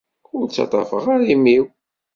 Ur ttaṭṭafeɣ ara imi-w.